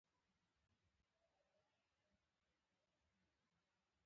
که پیرودونکی خوښ وي، دا ستا ګټه ده.